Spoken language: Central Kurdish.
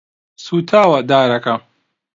سوتاوە دارەکە.